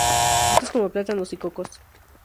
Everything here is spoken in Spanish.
Frutas como plátanos y cocos.